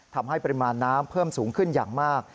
ทำให้ปริมาณน้ำเพิ่มสูงขึ้นอย่างมาก